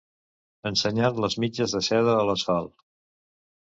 Ensenyant les mitges de seda a l'asfalt.